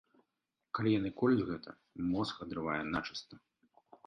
Калі яны колюць гэта, мозг адрывае начыста.